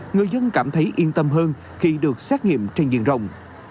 người dân cảm thấy yên tâm hơn khi được xét nghiệm trên diện rộng